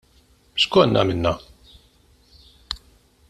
X'konna għamilna?